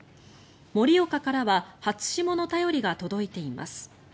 盛岡からは初霜の便りが届いています。